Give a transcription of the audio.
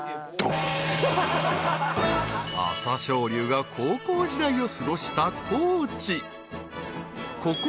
［朝青龍が高校時代を過ごした高知］